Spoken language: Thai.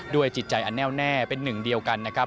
จิตใจอันแน่วแน่เป็นหนึ่งเดียวกันนะครับ